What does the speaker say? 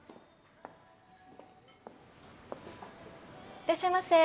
いらっしゃいませ。